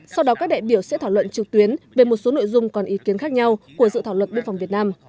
sau đó các đại biểu sẽ thảo luận trực tuyến về một số nội dung còn ý kiến khác nhau của dự thảo luật biên phòng việt nam